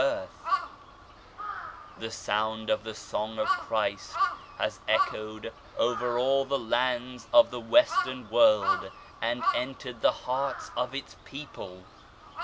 THE LIGHT OF TRUTH 29 The sound of the Song of Christ has echoed over all the lands of the Western World and entered the hearts of its people.